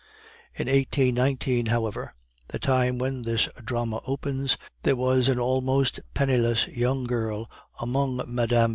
In 1819, however, the time when this drama opens, there was an almost penniless young girl among Mme.